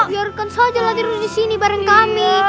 biarkan saja lah tidur disini bareng kami